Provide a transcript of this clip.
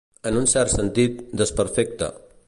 En un cert sentit, desperfecte.